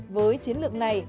với chiến lược này